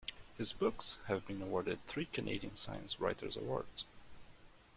His books have been awarded three Canadian Science Writers' Awards.